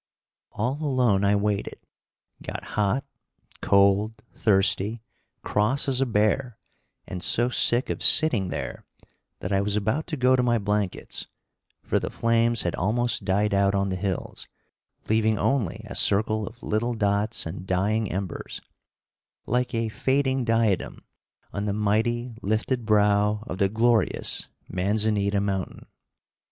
All alone I waited; got hot, cold, thirsty, cross as a bear and so sick of sitting there that I was about to go to my blankets, for the flames had almost died out on the hills, leaving only a circle of little dots and dying embers, like a fading diadem on the mighty lifted brow of the glorious Manzanita mountain.